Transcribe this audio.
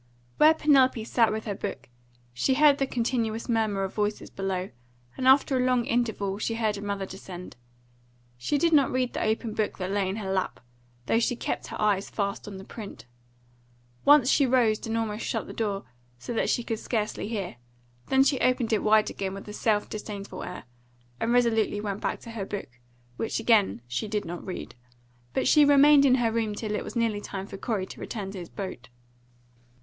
Where Penelope sat with her book, she heard the continuous murmur of voices below, and after a long interval she heard her mother descend. She did not read the open book that lay in her lap, though she kept her eyes fast on the print. Once she rose and almost shut the door, so that she could scarcely hear; then she opened it wide again with a self disdainful air, and resolutely went back to her book, which again she did not read. But she remained in her room till it was nearly time for Corey to return to his boat.